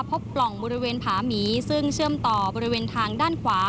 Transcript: ปล่องบริเวณผาหมีซึ่งเชื่อมต่อบริเวณทางด้านขวา